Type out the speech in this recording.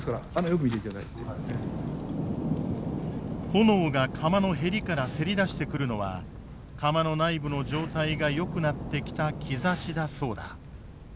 炎が釜のヘリからせり出してくるのは釜の内部の状態がよくなってきた兆しだそうだ。